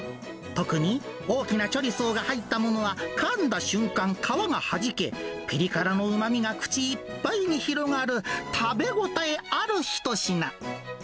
特に、大きなチョリソーが入ったものは、かんだ瞬間、皮がはじけ、ぴり辛のうまみが口いっぱいに広がる、食べ応えある一品。